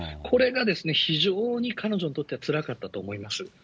これがですね、非常に彼女にとってはつらかったと思います。